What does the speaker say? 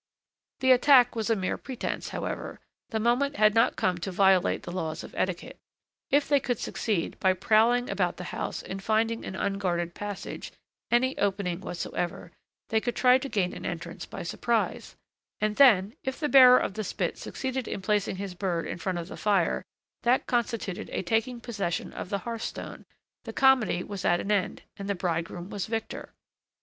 The attack was a mere pretence, however: the moment had not come to violate the laws of etiquette. If they could succeed, by prowling about the house, in finding an unguarded passage, any opening whatsoever, they could try to gain an entrance by surprise, and then, if the bearer of the spit succeeded in placing his bird in front of the fire, that constituted a taking possession of the hearth stone, the comedy was at an end, and the bridegroom was victor.